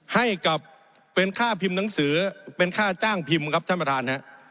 ให้กับเป็นค่าพิมพ์หนังสือเป็นค่าจ้างพิมพ์ครับท่านประธานฮะ